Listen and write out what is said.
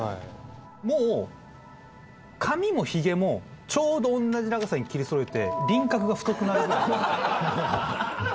もう髪もひげもちょうど同じ長さに切りそろえて輪郭が太くなるぐらい。